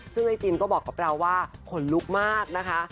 ซึ่งไอ้จินก็บอกกับเราว่าขนลุกมากนะคะ